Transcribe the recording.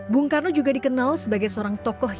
bung karno juga dikenal sebagai seorang penyair yang sangat baik